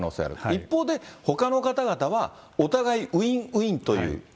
一方で、ほかの方々はお互いウィンウィンという。